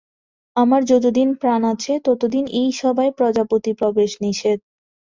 আমার যতদিন প্রাণ আছে ততদিন এ সভায় প্রজাপতির প্রবেশ নিষেধ।